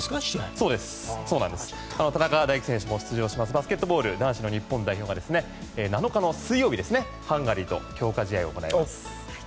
田中大貴選手も出場するバスケットボール男子の日本代表が７日の水曜日、ハンガリーと強化試合を行います。